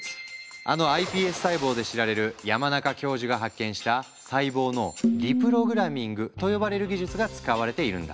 あのｉＰＳ細胞で知られる山中教授が発見した細胞のリプログラミングと呼ばれる技術が使われているんだ。